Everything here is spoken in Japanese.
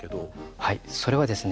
はいそれはですね